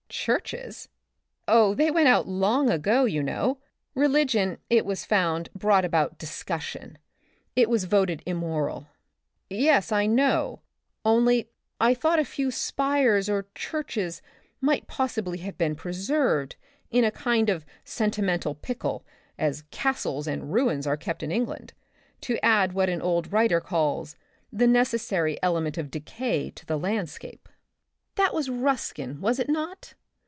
"Churches? Oh, they went out long ago, you know. Religion, it was found, brought about discussion. It was voted immoral." Yes, I know. Only I thought a few spires or churches might possibly have been preserved in a kind of sentimental pickle, as castles and ruins are kept in England, to add what an old writer calls " the necessary element of decay to the landscape," 82 The Republic of the Future, "That was Ruskin, was it not?